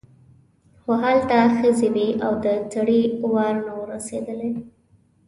خو هلته ښځې وې او د سړي وار نه و رسېدلی.